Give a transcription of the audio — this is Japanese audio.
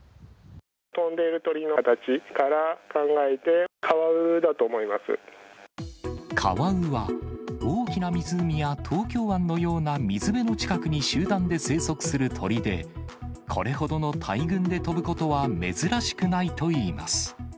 飛んでいる鳥の形から考えて、カワウは、大きな湖や東京湾のような水辺の近くに集団で生息する鳥で、これほどの大群で飛ぶことは珍しくないといいます。